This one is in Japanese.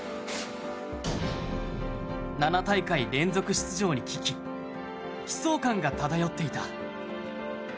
７大会連続出場に危機悲壮感が漂っていた。